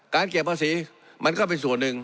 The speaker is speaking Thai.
เก็บภาษีมันก็เป็นส่วนหนึ่ง